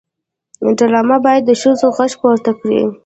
ډرامه باید د ښځو غږ پورته کړي